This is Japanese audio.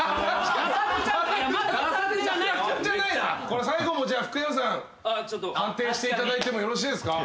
これ最後も福山さん判定していただいてもよろしいですか？